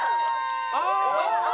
ああ！